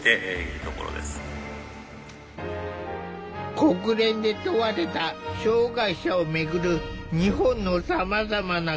国連で問われた障害者をめぐる日本のさまざまな課題。